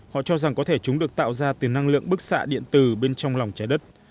họ cho rằng có thể chúng được tạo ra từ năng lượng bức xạ điện tử bên trong lòng trái đất